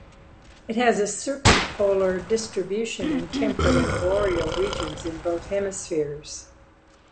It has a circumpolar distribution in temperate and boreal regions in both hemispheres.